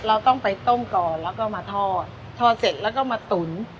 เราต้องไปต้มก่อนแล้วก็มาทอดทอดเสร็จแล้วก็มาตุ๋น